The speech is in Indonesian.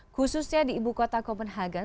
khususnya di ibu kota copenhagen